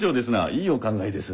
いいお考えです。